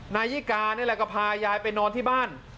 นายยิกานี่แหละก็พายายไปนอนที่บ้าน